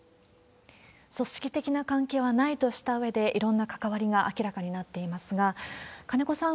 組織的な関係はないとしたうえで、いろんな関わりが明らかになっていますが、金子さん